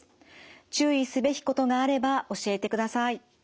注意すべきことがあれば教えてください。